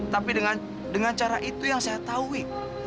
tapi dengan cara itu yang saya tahu